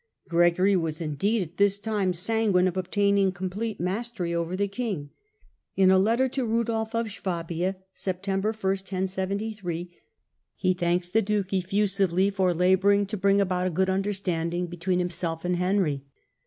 Gregory was indeed at this time sanguine of obtain ing complete mastery over the king. In a letter to Oregory»s R^^o^f of Swabia (September 1, 1073) he R^dSi?of thants the duke effusively for labouring to Swabia bring' about a good understanding between himself and Henry.